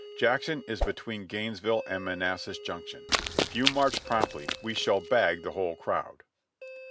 Jackson is between Gainesville and Man assas Junction. If you march promptly we shall bag the whole crowd."